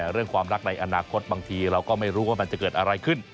เรื่องความรักในอนาคตบางทีเราก็ไม่รู้ว่ามันจะเกิดอะไรขึ้น